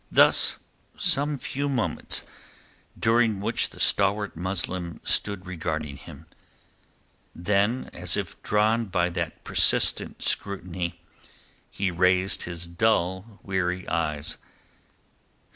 Thus some few moments during which the stalwart Muslim stood regarding him; then as if drawn by that persistent scrutiny he raised his dull, weary eyes.